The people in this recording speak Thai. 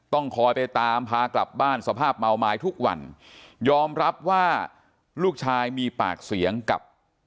ต้องคอยไปตามพากลับบ้านสภาพเมาไม้ทุกวันยอมรับว่าลูกชายมีปากเสียงกับ